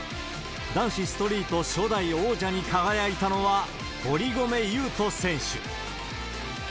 男子ストリート初代王者に輝いたのは、堀米雄斗選手。